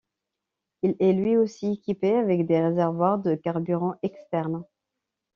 Il est lui aussi équipé avec des réservoirs de carburants externe.